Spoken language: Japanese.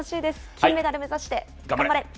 金メダル目指して頑張れ！